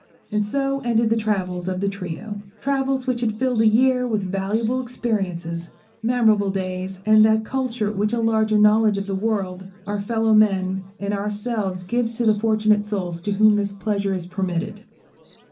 And so ended the travels of the trio, travels which had filled a year with valuable experiences, memorable days, and that culture which a larger knowledge of the world, our fellow men, and ourselves gives to the fortunate souls to whom this pleasure is permitted.